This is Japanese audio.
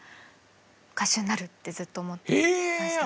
歌手になるってずっと思ってました。